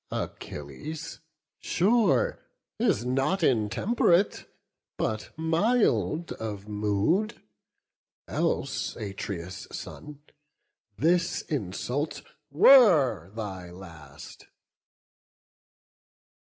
Achilles, sure, Is not intemperate, but mild of mood; Else, Atreus' son, this insult were thy last."